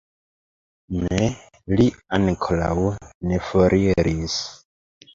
Ne, li ankoraŭ ne foriris.